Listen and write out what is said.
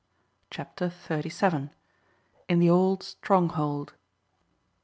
CHAPTER THIRTY SEVEN. IN THE OLD STRONGHOLD.